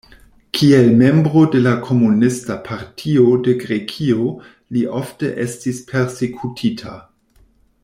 Kiel membro de la Komunista Partio de Grekio li ofte estis persekutita.